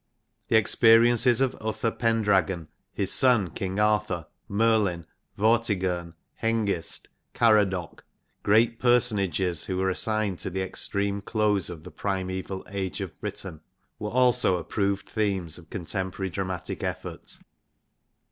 The experiences of Uther Pendragon, his son King Arthur, Merlin, Vortigern, Hengist, Caradoc great person ages who were assigned to the extreme close of the primeval age of Britain were also approved themes of contemporary dramatic effort.